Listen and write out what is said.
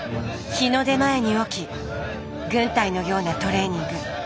日の出前に起き軍隊のようなトレーニング。